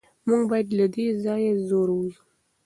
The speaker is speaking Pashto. موږ باید له دې ځایه زر ووځو.